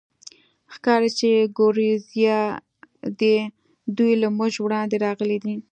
ښکاري، چې د ګوریزیا دي، دوی له موږ وړاندې راغلي دي.